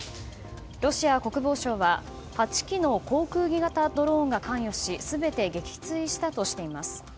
ロシア国防省は８機の航空機型ドローンが関与し全て撃墜したとしています。